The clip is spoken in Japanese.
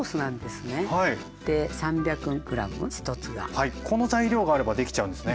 はいこの材料があればできちゃうんですね。